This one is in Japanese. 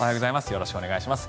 よろしくお願いします。